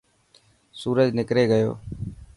سورج نڪري گيو.